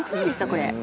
これ。